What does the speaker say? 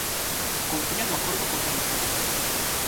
Confía no acordo co Celta.